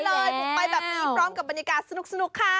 บุกไปแบบนี้พร้อมกับบรรยากาศสนุกค่ะ